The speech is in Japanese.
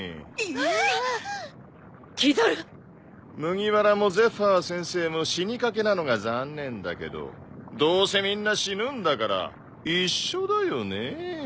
麦わらもゼファー先生も死にかけなのが残念だけどどうせみんな死ぬんだから一緒だよね？